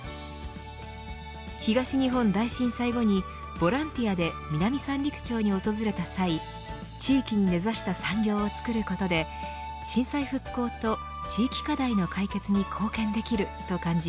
東日本大震災後にボランティアで南三陸町に訪れた際地域に根差した産業を作ることで震災復興と地域課題の解決に貢献できると感じ